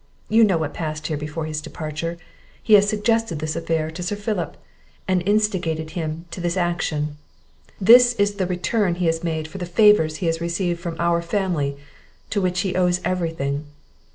You know what passed here before his departure; He has suggested this affair to Sir Philip, and instigated him to this action. This is the return he has made for the favours he has received from our family, to which he owes every thing!"